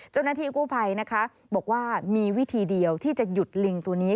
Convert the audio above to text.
เจ้าหน้าที่กู้ภัยนะคะบอกว่ามีวิธีเดียวที่จะหยุดลิงตัวนี้